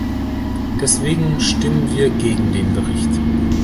Deswegen stimmen wir gegen den Bericht.